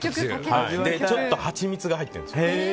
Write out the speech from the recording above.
ちょっとハチミツが入ってるんです。